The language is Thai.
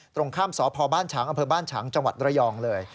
ตรงข้ามสพบฉางอบฉางจระยองเลย